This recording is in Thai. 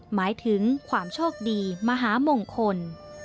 หมายถึงความโชคดีมหามงคล